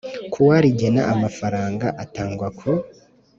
ku wa rigena amafaranga atangwa ku